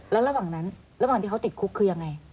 แล้วระหว่างนั้นระหว่างที่เขาติดคุกคือยังไง